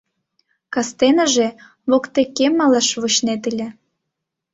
— Кастеныже воктекем малаш вочнет ыле...